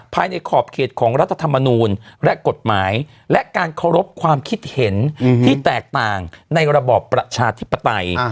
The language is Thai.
ขอบเขตของรัฐธรรมนูลและกฎหมายและการเคารพความคิดเห็นที่แตกต่างในระบอบประชาธิปไตย